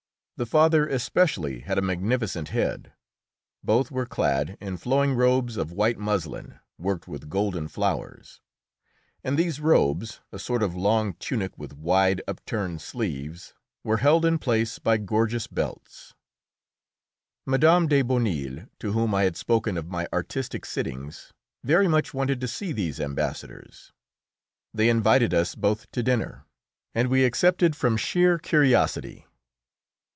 The father especially had a magnificent head. Both were clad in flowing robes of white muslin worked with golden flowers, and these robes, a sort of long tunic with wide, upturned sleeves, were held in place by gorgeous belts. Mme. de Bonneuil, to whom I had spoken of my artistic sittings, very much wanted to see these ambassadors. They invited us both to dinner, and we accepted from sheer curiosity.